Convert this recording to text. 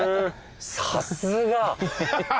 さすが。